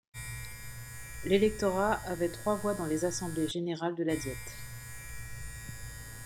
L'électorat avait trois voix dans les assemblées générales de la diète.